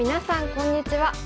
こんにちは。